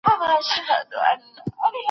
تاسو قدرت د خلکو په خدمت کې وکاروئ.